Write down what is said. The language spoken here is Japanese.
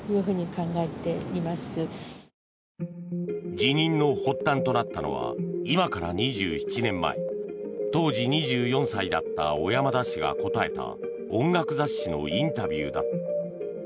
辞任の発端となったのは今から２７年前当時２４歳だった小山田氏が答えた音楽雑誌のインタビューだった。